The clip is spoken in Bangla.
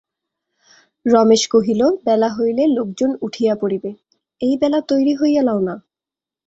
রমেশ কহিল, বেলা হইলে লোকজন উঠিয়া পড়িবে, এইবেলা তৈরি হইয়া লও না।